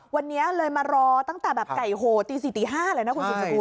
วันนี้เลยมารอตั้งแต่แบบไก่โหตี๔ตี๕เลยนะคุณสุดสกุล